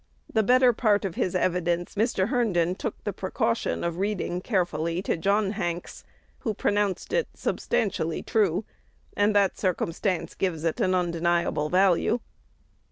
The better part of his evidence Mr. Herndon took the precaution of reading carefully to John Hanks, who pronounced it substantially true; and that circumstance gives it undeniable value.